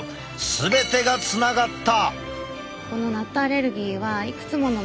全てがつながった！